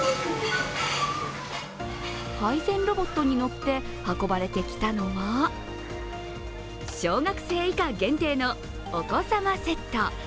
配膳ロボットに載って運ばれてきたのは小学生以下限定のお子様セット。